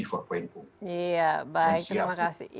iya baik terima kasih